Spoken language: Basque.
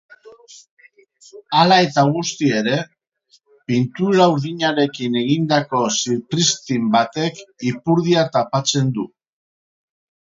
Hala eta guztiz ere, pintura urdinarekin egindako zipriztin batek ipurdia tapatzen du.